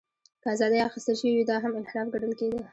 که ازادۍ اخیستل شوې وې، دا هم انحراف ګڼل کېده.